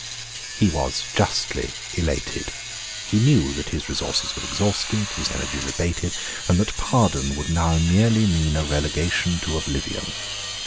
He was justly elated. He knew that his resources were exhausted, his energies abated, and that pardon would now merely mean a relegation to oblivion.